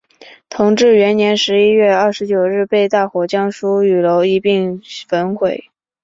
同治元年十一月二十九日被大火将书与楼一并焚毁。